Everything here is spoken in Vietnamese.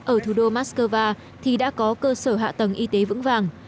ở thủ đô moscow thì đã có cơ sở hạ tầng y tế vững vàng